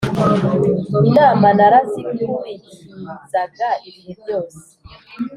inama narazikurikizaga ibihe byose